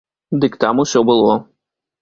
Дык там усё было.